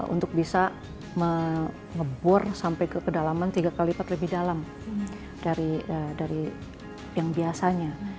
untuk bisa mengebor sampai ke kedalaman tiga kali lipat lebih dalam dari yang biasanya